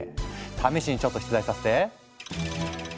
試しにちょっと出題させて。